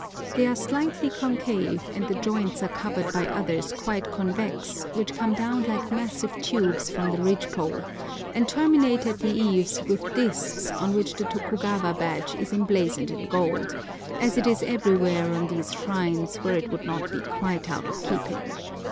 They are slightly concave, and the joints are covered by others quite convex, which come down like massive tubes from the ridge pole, and terminate at the eaves with discs on which the Tokugawa badge is emblazoned in gold, as it is everywhere on these shrines where it would not be quite out of keeping.